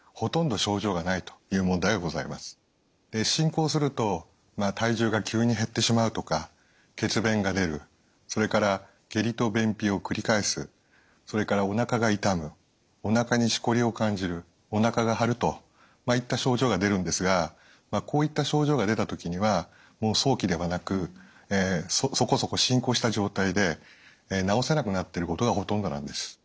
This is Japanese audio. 実は進行すると体重が急に減ってしまうとか血便が出るそれから下痢と便秘を繰り返すそれからおなかが痛むおなかにしこりを感じるおなかが張るといった症状が出るんですがこういった症状が出た時にはもう早期ではなくそこそこ進行した状態で治せなくなっていることがほとんどなんです。